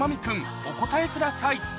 君お答えください